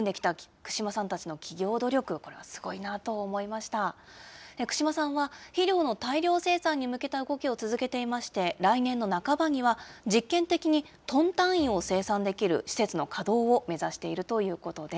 串間さんは肥料の大量生産に向けた動きを続けていまして、来年の半ばには、実験的にトン単位を生産できる施設の稼働を目指しているということです。